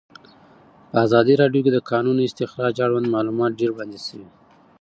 په ازادي راډیو کې د د کانونو استخراج اړوند معلومات ډېر وړاندې شوي.